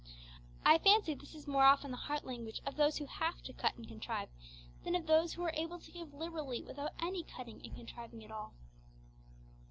I fancy this is more often the heart language of those who have to cut and contrive, than of those who are able to give liberally without any cutting and contriving at all.